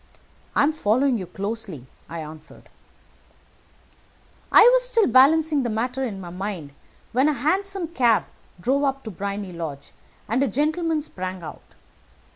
"I am following you closely," I answered. "I was still balancing the matter in my mind, when a hansom cab drove up to Briony Lodge, and a gentleman sprung out.